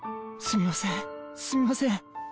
すみませんすみません。